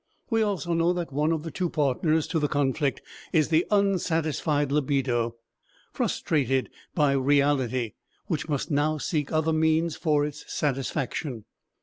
We also know that one of the two partners to the conflict is the unsatisfied libido, frustrated by reality, which must now seek other means for its satisfaction.